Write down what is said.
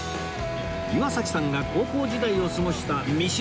岩崎さんが高校時代を過ごした三島